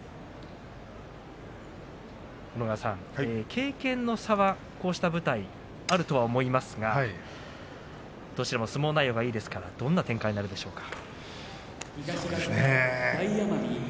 小野川さん、経験の差はこうした舞台あるとは思いますがどちらも相撲内容がいいですからどんな展開がでしょうか。